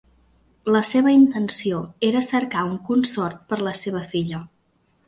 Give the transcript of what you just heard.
La seva intenció era cercar un consort per a la seva filla.